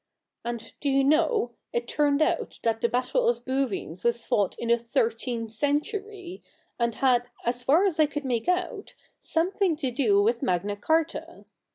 And, do you know, it turned out that the Battle of Bouvines was fought in the thirteenth century, and had, as far as I could make out, something to do with Magna Charta.